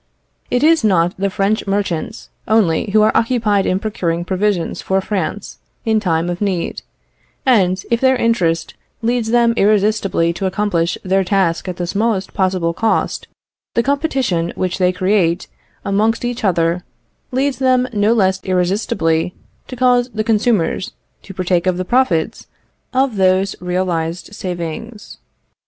It is not the French merchants only who are occupied in procuring provisions for France in time of need, and if their interest leads them irresistibly to accomplish their task at the smallest possible cost, the competition which they create amongst each other leads them no less irresistibly to cause the consumers to partake of the profits of those realised savings.